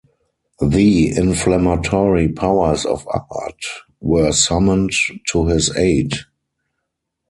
The inflammatory powers of art were summoned to his aid.